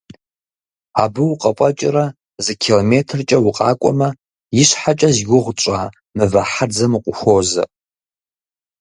Абы укъыфӀэкӀрэ зы километркӀэ укъакӀуэмэ, ищхьэкӀэ зи гугъу тщӀа «Мывэ хьэдзэм» укъыхуозэ.